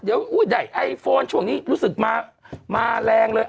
เดี๋ยวได้ไอโฟนช่วงนี้รู้สึกมาแรงเลย